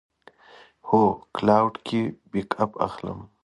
هو، کلاوډ کې بیک اپ اخلم